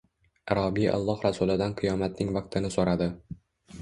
A’robiy Alloh Rasulidan qiyomatning vaqtini so‘radi